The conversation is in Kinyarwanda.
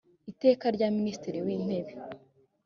iteka rya minisitiri w intebe